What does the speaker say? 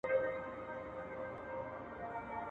خوندي مړې سوې، چي پاته ترلې سوې.